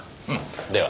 では。